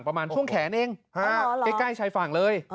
ประมาณช่วงแขนเองฮะเกล้งใกล้ชายฝั่งเลยอ๋อ